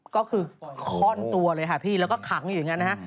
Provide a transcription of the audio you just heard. ก็คือค่อนตัวเลยค่ะพี่แล้วก็ขังอยู่อย่างนั้นนะฮะ